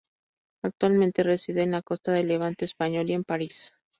Actualmente reside en la costa del Levante español y en París.